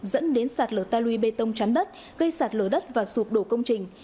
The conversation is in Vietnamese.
dẫn đến sạt lở ta lùi bê tông chắn đất gây sạt lở đất và sụp đổ công trình